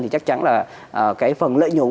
thì chắc chắn là cái phần lợi nhuận